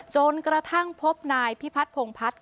จนกระทั่งพบนายพิพัฒนพงพัฒน์